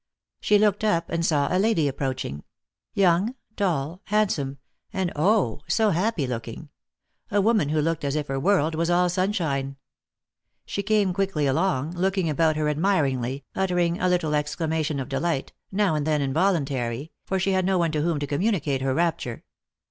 She looked up, and saw a lady approaching ; young, tall, hand some, and 0, so happy looking — a woman who looked as if her world was all sunshine. She came quickly along, looking about her admiringly, uttering a little exclamation of delight, now and then, involuntarily, for she had no one to whom to communicate her rapture.